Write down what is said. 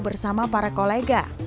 bersama para kolega